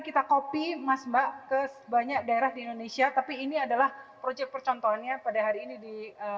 kita kopi mas mbak ke banyak daerah di indonesia tapi ini adalah proyek percontohannya pada hari ini di